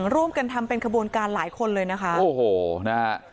ร่วมกันทำเป็นขบวนการหลายคนเลยนะคะโอ้โหนะฮะ